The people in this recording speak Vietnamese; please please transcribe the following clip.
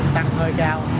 tăng hơi cao